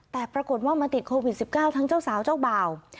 แต่ปรากฏว่ามาติดโควิด๑๙ทั้งเจ้าสาวเจ้าบ่าว